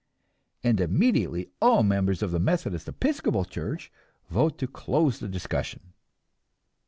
And immediately all members of the Methodist Episcopal Church vote to close the discussion.